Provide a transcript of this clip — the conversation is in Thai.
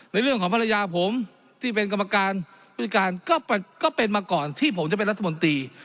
ในเรื่องของภรรยาผมที่เป็นกรรมการพฤติการก็เป็นมาก่อนที่ผมจะเป็นรัฐมนตรี